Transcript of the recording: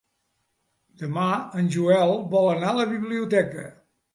Demà en Joel vol anar a la biblioteca.